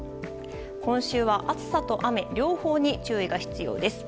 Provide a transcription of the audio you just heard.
今週は暑さと雨両方に注意が必要です。